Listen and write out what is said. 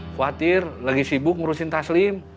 khawatir lagi sibuk ngurusin taslim